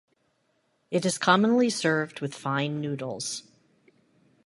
It is commonly served with fine noodles.